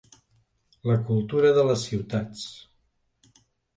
La cultura de les ciutats.